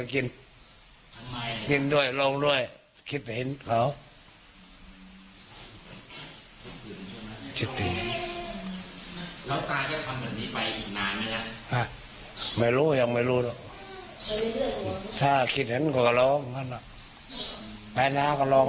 กินทุกวันเช้ากินเย็นก็เย็นเที่ยงก็กิน